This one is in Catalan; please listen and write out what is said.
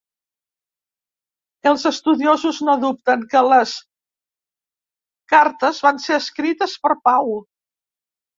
Els estudiosos no dubten que les cartes van ser escrites per Pau.